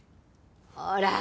ほら！